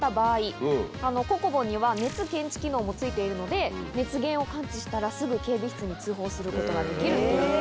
ｃｏｃｏｂｏには熱検知機能も付いているので熱源を感知したらすぐ警備室に通報することができるっていう。